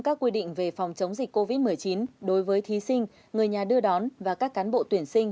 các quy định về phòng chống dịch covid một mươi chín đối với thí sinh người nhà đưa đón và các cán bộ tuyển sinh